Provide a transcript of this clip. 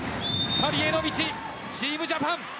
パリへの道、チームジャパン。